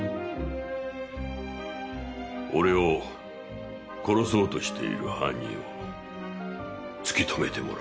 俺を殺そうとしている犯人を突き止めてもらいたい。